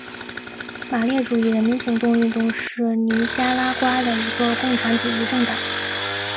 马列主义人民行动运动是尼加拉瓜的一个共产主义政党。